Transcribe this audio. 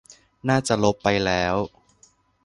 น่าจะลบไปแล้ว